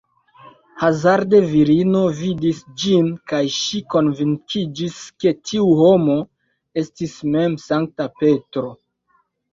Hazarde virino vidis ĝin kaj ŝi konvinkiĝis, ke tiu homo estis mem Sankta Petro.